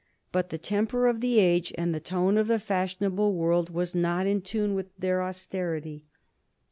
But the temper of the age and the tone of the fashionable world was not in tune with their austerity.